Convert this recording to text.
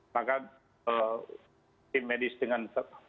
maka tim medis dengan